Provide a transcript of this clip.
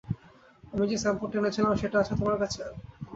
আমি যে স্যাম্পলটা এনেছিলাম সেটা আছে তোমার কাছে?